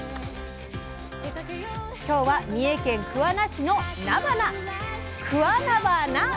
今日は「三重県桑名市のなばな」。